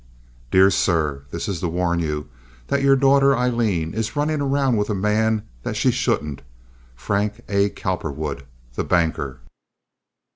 DEAR SIR—This is to warn you that your daughter Aileen is running around with a man that she shouldn't, Frank A. Cowperwood, the banker.